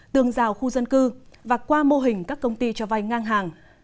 tường rào khu dân cư và qua mô hình các công ty cho vay ngang hàng